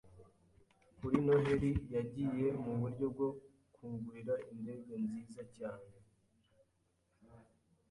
Kuri Noheri yagiye muburyo bwo kungurira indege nziza cyane.